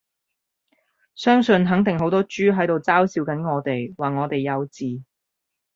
相信肯定好多豬喺度嘲笑緊我哋，話我哋幼稚